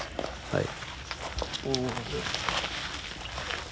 はい。